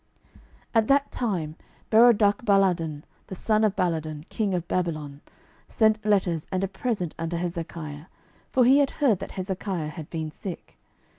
12:020:012 At that time Berodachbaladan, the son of Baladan, king of Babylon, sent letters and a present unto Hezekiah: for he had heard that Hezekiah had been sick.